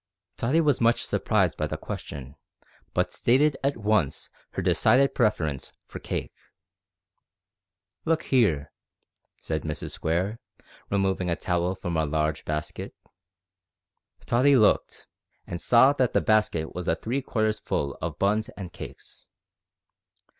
Tottie was much surprised by the question, but stated at once her decided preference for cake. "Look here," said Mrs Square, removing a towel from a large basket. Tottie looked, and saw that the basket was three quarters full of buns and cakes.